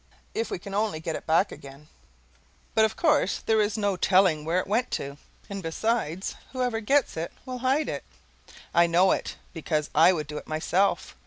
If we can only get it back again But of course there is no telling where it went to. And besides, whoever gets it will hide it; I know it because I would do it myself.